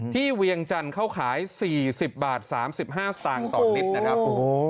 เวียงจันทร์เขาขาย๔๐บาท๓๕สตางค์ต่อลิตรนะครับ